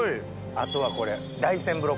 あとはこれ。